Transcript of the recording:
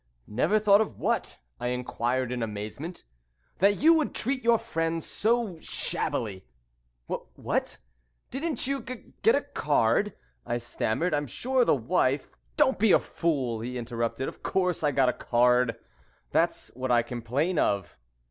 "Never thought what?" I enquired in amazement. "That you would treat your friends so shabbily." "Wh what, didn't you g get a card?" I stammered. "I'm sure the wife " "Don't be a fool!" he interrupted. "Of course I got a card. That's what I complain of."